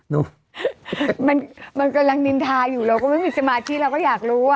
นุ่มมันมันกำลังนินทาอยู่แล้วก็ไม่มีสมาธิเราก็อยากรู้อ่ะเนอะ